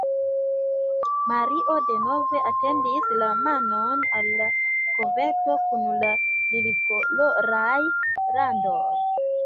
Mario denove etendis la manon al la koverto kun la lilikoloraj randoj.